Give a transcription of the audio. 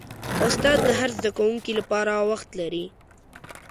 استاد د هر زده کوونکي لپاره وخت لري.